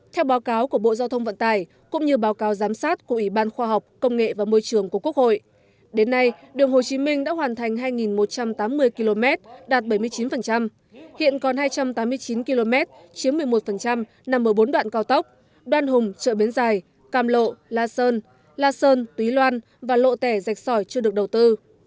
theo báo cáo của bộ giao thông vận tải cũng như báo cáo giám sát của ủy ban khoa học công nghệ và môi trường của quốc hội đến nay đường hồ chí minh đã hoàn thành hai một trăm tám mươi km đạt bảy mươi chín hiện còn hai trăm tám mươi chín km chiếm một mươi một nằm ở bốn đoạn cao tốc đoan hùng trợ bến giải càm lộ la sơn la sơn túy loan và lộ tẻ dạch sỏi chưa được đầu tư